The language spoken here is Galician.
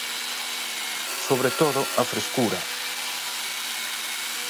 Sobre todo, a frescura.